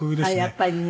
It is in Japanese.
やっぱりね。